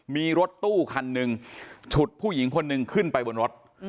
มีรถตู้คันหนึ่งฉุดผู้หญิงคนหนึ่งขึ้นไปบนรถ